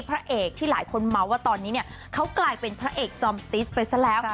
พระเอกที่หลายคนเมาส์ว่าตอนนี้เนี่ยเขากลายเป็นพระเอกจอมติสไปซะแล้ว